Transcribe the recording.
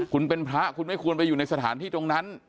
คุณเป็นพระคุณไม่ควรไปอยู่ในสถานที่ตรงนั้น